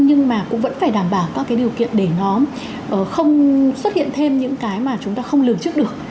nhưng mà cũng vẫn phải đảm bảo các cái điều kiện để nó không xuất hiện thêm những cái mà chúng ta không lường trước được